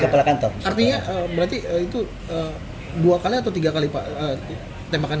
kepala kantor artinya berarti itu dua kali atau tiga kali pak tembakan